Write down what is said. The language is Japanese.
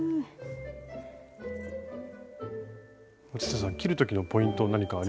松下さん切る時のポイントは何かありますか？